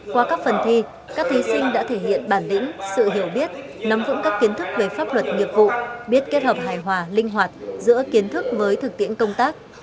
qua các phần thi các thí sinh đã thể hiện bản lĩnh sự hiểu biết nắm vững các kiến thức về pháp luật nghiệp vụ biết kết hợp hài hòa linh hoạt giữa kiến thức với thực tiễn công tác